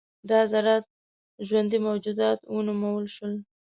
دا ذرات ژوندي موجودات ونومول شول.